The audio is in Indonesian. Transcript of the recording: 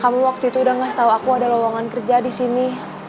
kamu waktu itu udah ngasih tau aku ada lowongan kerja disini